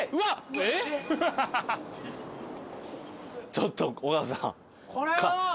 ちょっと尾形さん